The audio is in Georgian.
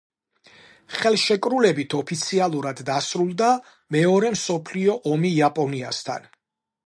ხელშეკრულებით ოფიციალურად დასრულდა მეორე მსოფლიო ომი იაპონიასთან.